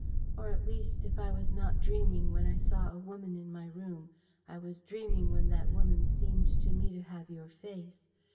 "Or, at least, if I was not dreaming when I saw a woman in my room, I was dreaming when that woman seemed to me to have your face.